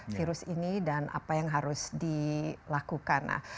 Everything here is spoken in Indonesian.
virus ini dan apa yang harus dilakukan